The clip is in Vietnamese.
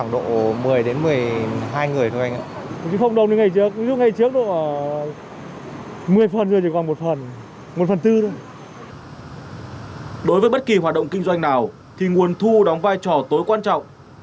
đối với bất kỳ hoạt động kinh doanh nào thì nguồn thu đóng vai trò tối quan trọng